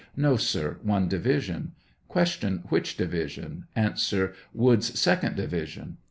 No, sir ; one division. Q. Which division ? A. Woods' second division. Q.